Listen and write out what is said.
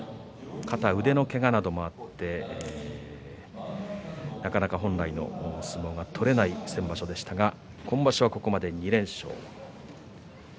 肩や腕のけがなどもあってなかなか本来の相撲が取れない先場所でしたが今場所はここまで２連勝。